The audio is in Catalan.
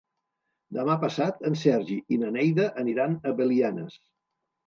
Demà passat en Sergi i na Neida aniran a Belianes.